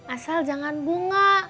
asal jangan bunga